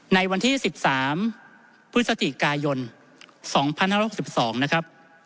ในวันที่๑๓พฤศจิกายน๒๕๖๒นะครับ